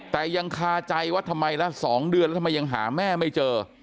แต่ยังคาใจว่าทำไมละ๒เดือนแล้วทำไมยังหาแม่ไม่เจอ